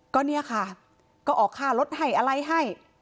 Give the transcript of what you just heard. ก็เนี่ยค่ะก็ออกค่ารถให้อะไรให้